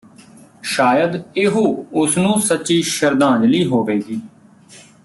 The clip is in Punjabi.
ਸ਼ਾਇਦ ਇਹੋ ਉਸ ਨੂੰ ਸੱਚੀ ਸ਼ਰਧਾਂਜਲੀ ਹੋਵੇਗੀ